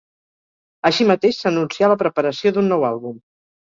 Així mateix s'anuncià la preparació d'un nou àlbum.